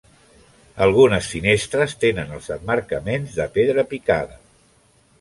Algunes finestres tenen els emmarcaments de pedra picada.